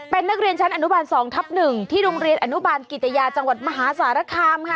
เป็นนักเรียนชั้นอนุบาล๒ทับ๑ที่โรงเรียนอนุบาลกิตยาจังหวัดมหาสารคามค่ะ